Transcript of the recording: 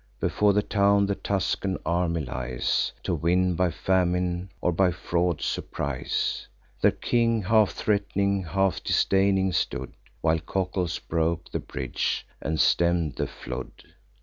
Before the town the Tuscan army lies, To win by famine, or by fraud surprise. Their king, half threat'ning, half disdaining stood, While Cocles broke the bridge, and stemm'd the flood.